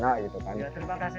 terima kasih atas hadirinnya pak